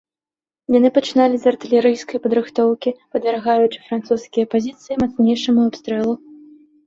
Яны пачыналі з артылерыйскай падрыхтоўкі, падвяргаючы французскія пазіцыі мацнейшаму абстрэлу.